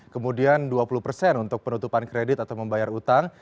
kemudian dua puluh persen untuk penutupan kredit atau membayar utang